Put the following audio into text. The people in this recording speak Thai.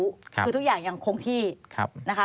ครับคุณพัฒนาชัยคุณพัฒนาชัยคือทุกอย่างยังคงที่นะคะ